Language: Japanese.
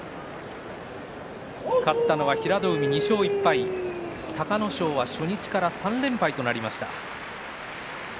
勝ったのは平戸海、２勝１敗隆の勝が初日から３連敗となりました。